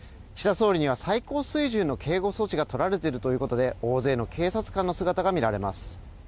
総理には最高水準の警護措置がとられているということで大勢の警察官の姿が見られます。